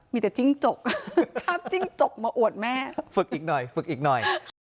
มีแต่จิ้งจกภาพจิ้งจกมาอวดแม่ฝึกอีกหน่อยฝึกอีกหน่อย